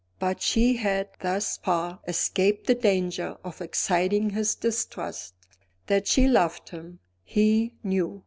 But she had, thus far, escaped the danger of exciting his distrust. That she loved him, he knew.